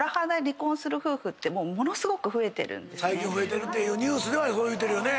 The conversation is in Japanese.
最近増えてるっていうニュースではそう言うてるよね。